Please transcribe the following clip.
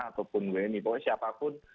ataupun wni pokoknya siapapun